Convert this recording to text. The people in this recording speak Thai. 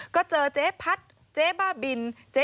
ก็เจอเจ๊พัดเจ๊บ้าบิน